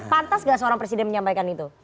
pantas gak seorang presiden menyampaikan itu